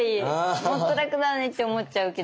もっと楽なのにって思っちゃうけど。